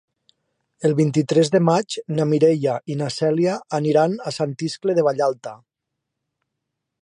El vint-i-tres de maig na Mireia i na Cèlia aniran a Sant Iscle de Vallalta.